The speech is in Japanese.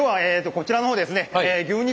こちらの方ですね